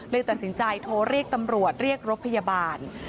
ตัดสินใจโทรเรียกตำรวจเรียกรถพยาบาล